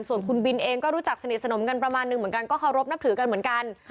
ส่วนคุณบินเองก็รู้จักสนิทสนมกันประมาณนึงเหมือนกันก็เคารพนับถือกันเหมือนกัน